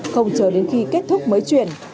không chờ đến khi kết thúc mới chuyển